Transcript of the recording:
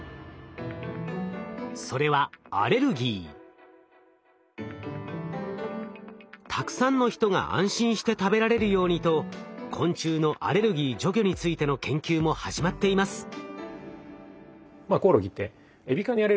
それはたくさんの人が安心して食べられるようにと昆虫のアレルギー除去についての研究も始まっています。